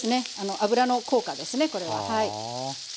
油の効果ですねこれははい。